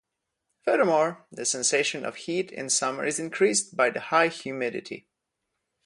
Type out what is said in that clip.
Furthermore, the sensation of heat in summer is increased by the high humidity.